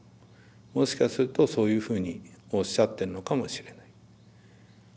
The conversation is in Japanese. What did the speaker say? もしかするとそういうふうにおっしゃってるのかもしれない。